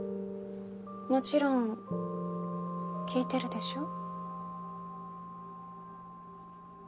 もちろん聞いてるでしょ？